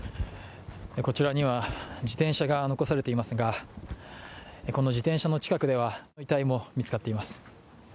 こちらには自転車が残されていますがこの自転車の近くでは遺体も見つかっています。